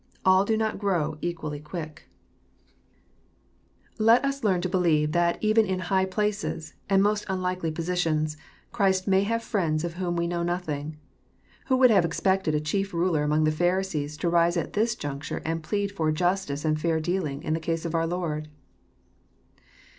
All do not grow equally quick. JOHN, CHiP. rn. 59 Let as learn to believe that even in high places, and most un likely positions, Christ may have friends of whom we know nothing. Who would have expected a chief ruler among the Pharisees to rise at this juncture and plead for justice and fair dealing in tjie case of our Lord